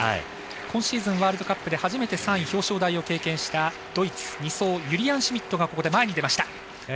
今シーズンワールドカップで初めて３位、表彰台を経験したドイツ２走ユリアン・シュミットがここで前に出ました。